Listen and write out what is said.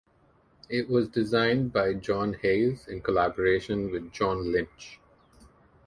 It was designed by John Hayes in collaboration with John Lynch.